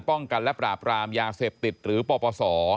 ป้องกันและปราบรามยาเสพติดหรือปปศ